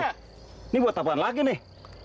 ini buat apaan lagi nih